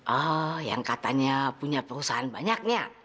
oh yang katanya punya perusahaan banyak ya